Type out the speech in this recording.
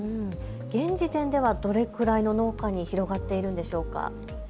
現時点ではどれくらいの農家に広がっているんでしょうか。